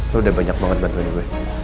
lo udah banyak banget bantuin gue